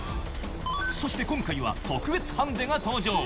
そして今回は特別ハンデが登場。